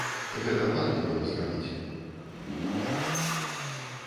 Гэта варта было зрабіць.